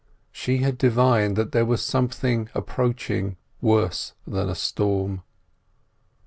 She had divined that there was something approaching worse than a storm.